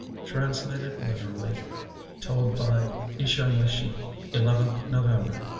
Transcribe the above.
(Translated literally. Told by Ishanashte, 11th November, 1886.)